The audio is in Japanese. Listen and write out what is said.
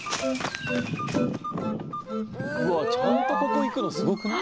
うわっちゃんとここ行くのすごくない？